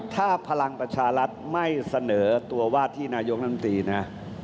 ถ้าพลังประชารัฐไม่เสนอตัวว่าที่นายกลำตีนะ